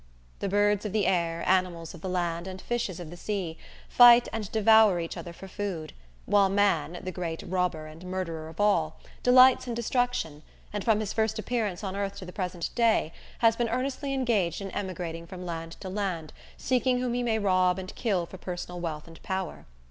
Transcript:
The birds of the air, animals of the land and fishes of the sea, fight and devour each other for food, while man, the great robber and murderer of all, delights in destruction, and from his first appearance on earth to the present day, has been earnestly engaged in emigrating from land to land, seeking whom he may rob and kill for personal wealth and power!